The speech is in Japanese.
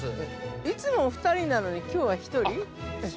◆いつもお２人なのにきょうは１人？